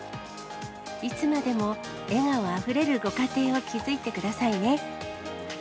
いつまでも笑顔あふれるご家庭を築いてくださいね。